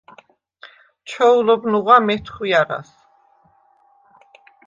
ჩოულობ ნუღვა მეთხვიარას: